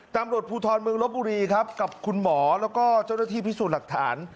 ตำรวจภูทรเมืองลบบุรีครับกับคุณหมอแล้วก็เจ้าหน้าที่พิสูจน์หลักฐาน